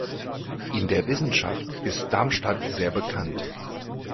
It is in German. In der Wissenschaft ist Darmstadt sehr bekannt.